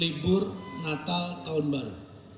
libur natal tahun baru